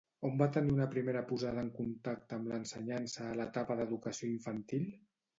On va tenir una primera posada en contacte amb l'ensenyança a l'etapa d'educació infantil?